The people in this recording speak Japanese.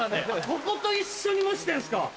ここと一緒に蒸してんすか？